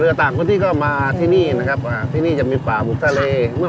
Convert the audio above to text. เรือต่างคนที่ก็มาที่นี่นะครับที่นี่จะมีป่าบุกทะเล